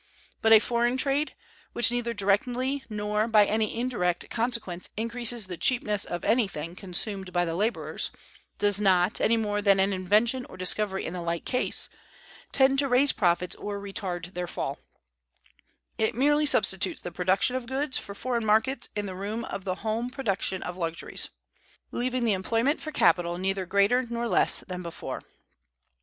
But a foreign trade, which neither directly nor by any indirect consequence increases the cheapness of anything consumed by the laborers, does not, any more than an invention or discovery in the like case, tend to raise profits or retard their fall; it merely substitutes the production of goods for foreign markets in the room of the home production of luxuries, leaving the employment for capital neither greater nor less than before.